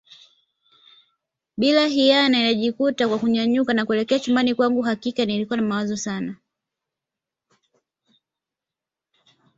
Bila hiana nikajikuta na nyanyuka na kuelekea chumbani kwangu hakika nilikuwa na mawazo Sana